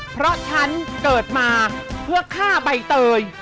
เพราะฉันเกิดมาเพื่อฆ่าใบเตย